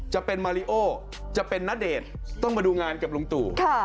จะเป็นมาริโอจะเป็นณเดชน์ต้องมาดูงานกับลุงตู่